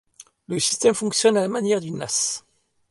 Le système fonctionne à la manière d'une nasse.